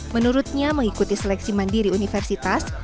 menurutnya mengikuti seleksi mandiri universitas